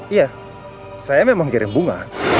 iya saya memang kirim bunga